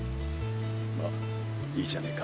まいいじゃねぇか。